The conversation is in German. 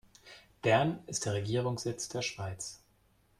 Bern ist der Regierungssitz der Schweiz.